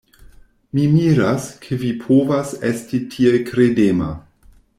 Mi miras, ke vi povas esti tiel kredema!